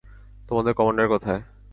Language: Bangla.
তোমাদের কমান্ডার কোথায়?